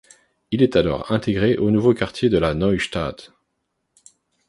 Il est alors intégré au nouveau quartier de la Neustadt.